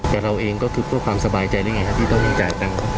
แต่เราเองก็คือเพื่อความสบายใจได้ไงครับที่ต้องจ่ายตังค์